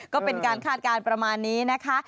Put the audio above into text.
ก็เป็นการคาดการณ์ประมาณนี้นะคะ